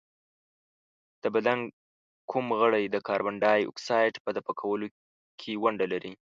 د بدن کوم غړی د کاربن ډای اکساید په دفع کولو کې ونډه لري؟